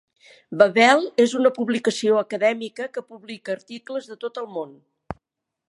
Babel és una publicació acadèmica que publica articles de tot el món.